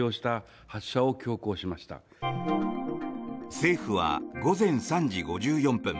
政府は午前３時５４分